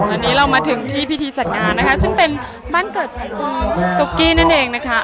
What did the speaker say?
วันนี้เรามาถึงที่พิธีจัดงานนะคะซึ่งเป็นบ้านเกิดของตุ๊กกี้นั่นเองนะคะ